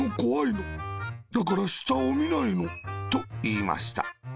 だから、したをみないの。」といいました。